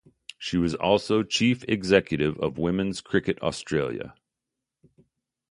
She was also chief executive of Women's Cricket Australia.